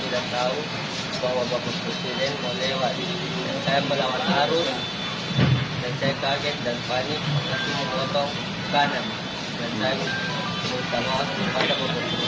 dan sudah banyak penyakit orang